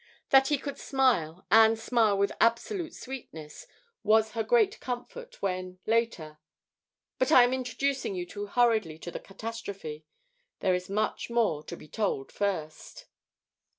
That he could smile, and smile with absolute sweetness, was her great comfort when later But I am introducing you too hurriedly to the catastrophe. There is much to be told first.